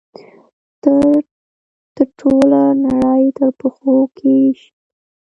ته ټوله نړۍ تر پښو کښی شي